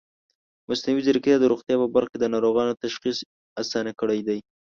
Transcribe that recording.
مصنوعي ځیرکتیا د روغتیا په برخه کې د ناروغانو تشخیص اسانه کړی دی.